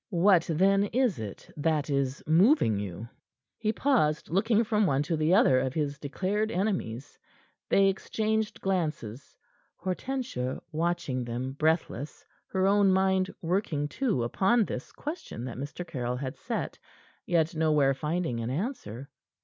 What, then, is it that is moving you?" He paused, looking from one to the other of his declared enemies. They exchanged glances Hortensia watching them, breathless, her own mind working, too, upon this question that Mr. Caryll had set, yet nowhere finding an answer.